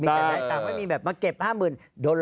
มีแต่ได้ตังค์ไม่มีแบบมาเก็บห้าหมื่นโดนหลอกแล้ว